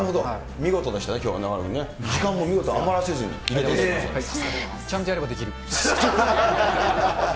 見事でしたね、きょうは中丸君ね、時間を見事、ちゃんとやればできる。